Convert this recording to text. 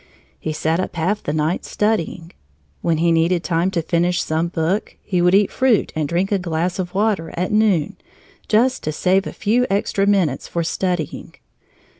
He sat up half the nights studying. When he needed time to finish some book, he would eat fruit and drink a glass of water at noon, just to save a few extra minutes for studying.